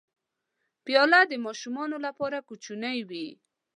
پیاله د ماشومانو لپاره کوچنۍ وي.